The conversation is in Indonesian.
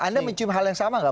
anda mencium hal yang sama nggak